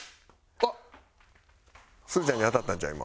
すずちゃんに当たったんちゃう？